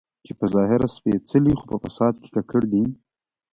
چې په ظاهره سپېڅلي خو په فساد کې ککړ دي.